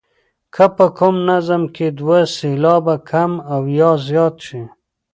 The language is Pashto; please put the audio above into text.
که په کوم نظم کې دوه سېلابه کم او یا زیات شي.